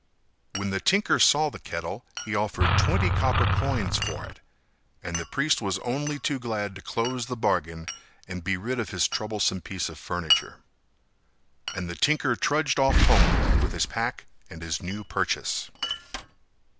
When the tinker saw the kettle, he offered twenty copper coins for it, and the priest was only too glad to close the bargain and be rid of his troublesome piece of furniture. And the tinker trudged off home with his pack and his new purchase.